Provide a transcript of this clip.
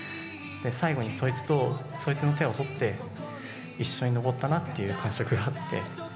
最後にそいつと、そいつの手を取って一緒に上ったなっていう感触